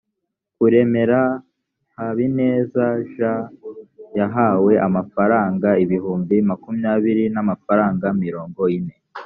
kuremera habineza jean yahawe amafaranga ibihumbi makumyabiri n amafaranga mirongo ine